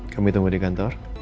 kami tunggu di kantor